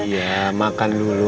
iya makan dulu